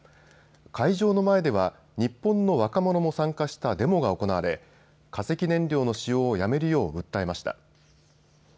会場の前では日本の若者も参加したデモが行われ、化石燃料の使用をやめるよう訴えました。